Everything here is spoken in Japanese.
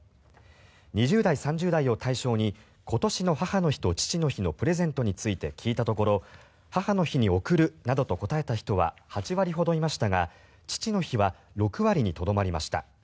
２０代、３０代を対象に今年の母の日と父の日のプレゼントについて聞いたところ母の日に贈るなどと答えた人は８割ほどいましたが父の日は６割にとどまりました。